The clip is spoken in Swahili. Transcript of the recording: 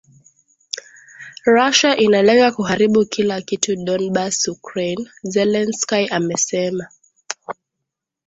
Russia inalenga kuharibu kila kitu Donbas Ukraine Zelensky amesema